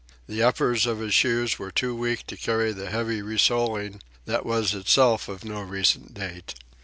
The uppers of his shoes were too weak to carry the heavy re soling that was itself of no recent date.